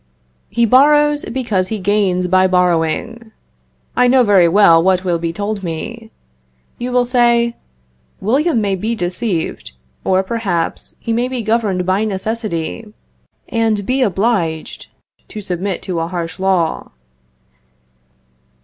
He borrows, because he gains by borrowing. I know very well what will be told me. You will say, William may be deceived, or, perhaps, he may be governed by necessity, and be obliged to submit to a harsh law.